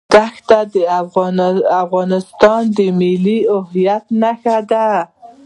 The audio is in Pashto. دښتې د افغانستان د ملي هویت نښه ده.